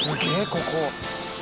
ここ。